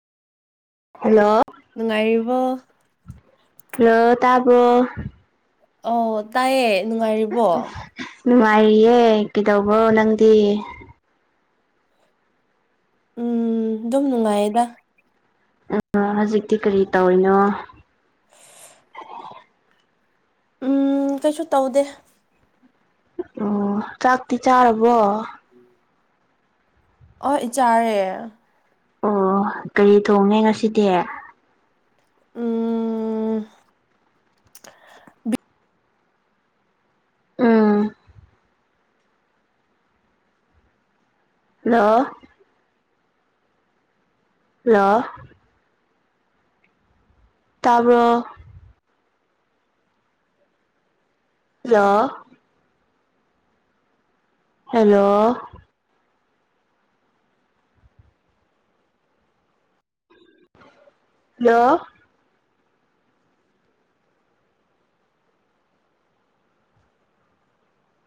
hello ꯅꯨꯡꯉꯥꯏꯔꯤꯕꯣ ꯍ ꯇꯕꯣ ꯑꯧ ꯇꯥꯏꯌꯦ ꯅꯨꯡꯉꯥꯏꯔꯤꯕꯣ ꯅꯨꯡꯉꯥꯏꯔꯤꯌꯦ ꯀꯩꯗꯧꯕꯣ ꯅꯪꯗꯤ ꯎꯝ ꯑꯗꯨꯝ ꯅꯨꯡꯉꯥꯏꯌꯦꯗ ꯎ ꯍꯧꯖꯤꯛꯇꯤ ꯀꯔꯤ ꯇꯧꯔꯤꯅꯣ ꯎꯝ ꯀꯩꯁꯨ ꯇꯧꯗꯦ ꯎꯝ ꯆꯥꯛꯇꯤ ꯆꯥꯔꯕꯣ ꯍ ꯆꯥꯔꯦ ꯑꯣ ꯀꯔꯤ ꯊꯣꯡꯉꯦ ꯉꯁꯤꯗꯤ ꯎꯝ ꯎꯝ ꯍꯜꯂꯣ ꯍꯜꯂꯣ ꯇꯥꯕꯔꫭ ꯍꯜꯂꫭ ꯍꯜꯂꯣ ꯍꯜꯂꯣ